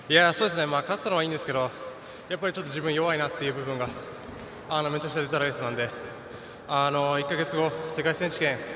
勝つのはいいんですけど、やっぱり自分弱いなっていう部分がめちゃくちゃ出たレースなので１か月後、世界選手権